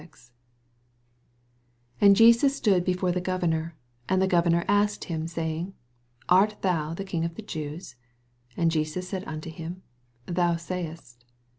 11 And Jesus stood before the ffov emor : and the governor asked mm, sayinff, Art thou the King of the Jews? And Jesas said unto him. Thou sayest.